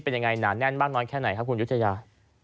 เป็นยังไงหนาแน่นมากน้อยแค่ไหนครับคุณยุธยา